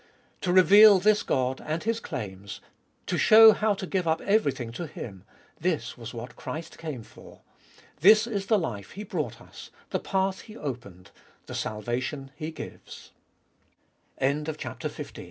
To reveal this God and His claims, to show how to giue up everything to Him,— this was what Christ came for. This is the life He brought us, the path He opened, the salvation He gives.